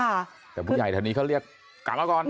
เดี๋ยวผู้ใหญ่ทางนี้เขาเรียกกลับมาก่อน